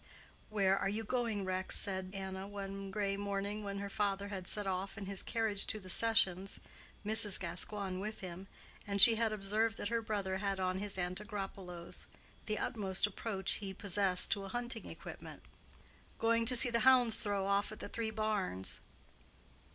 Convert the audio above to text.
"Where are you going, Rex?" said Anna one gray morning when her father had set off in his carriage to the sessions, Mrs. Gascoigne with him, and she had observed that her brother had on his antigropelos, the utmost approach he possessed to a hunting equipment. "Going to see the hounds throw off at the Three Barns."